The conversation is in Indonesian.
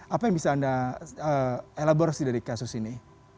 apa yang bisa anda elaborasi dari kasus ini